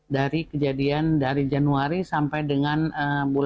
dari kejadian dari januari sampai dengan bulan